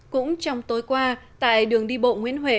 cũng trong tối qua tại đường đi bộ nguyễn huệ